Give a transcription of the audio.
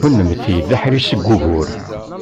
Kennemti d aḥric seg ugur.